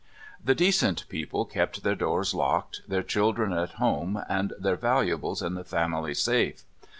The decent people kept their doors locked, their children at home, and their valuables in the family safe.